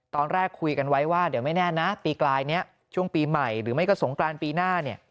ตอนแรกคุยกันไว้ว่าเดี๋ยวไม่แน่นะปีกลายนี้ช่วงปีใหม่หรือไม่ก็สงกรานปีหน้าเนี่ย